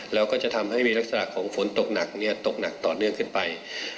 แล้วก็จะทำให้มีลักษณะของฝนตกหนักตกหนักต่อเนื่องขึ้นไป